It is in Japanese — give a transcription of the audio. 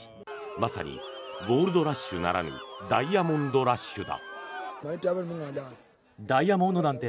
まさにゴールド・ラッシュならぬダイヤモンド・ラッシュだ。